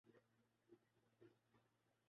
برصغیر کی پرانی روایت یہی رہی ہے۔